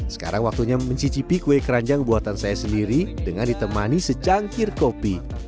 sekarang waktunya mencicipi kue keranjang buatan saya sendiri dengan ditemani secangkir kopi